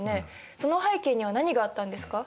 その背景には何があったんですか。